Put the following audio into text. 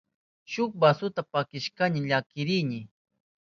Shuk basuta pakishpayni llakirini.